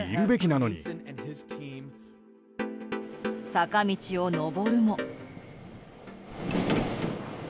坂道を上るも。